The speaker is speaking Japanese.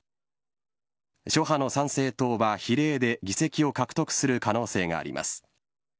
諸派の参政党は比例で議席を獲得する可能性があります。